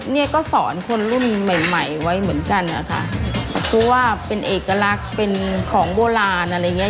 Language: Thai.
เนี่ยก็สอนคนรุ่นใหม่ใหม่ไว้เหมือนกันนะคะเพราะว่าเป็นเอกลักษณ์เป็นของโบราณอะไรอย่างเงี้